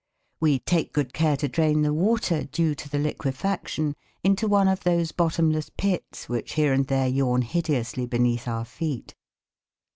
We take good care to drain the water due to the liquefaction into one of those bottomless pits which here and there yawn hideously beneath our feet.